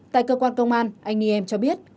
tại cơ quan công an anh y em cho biết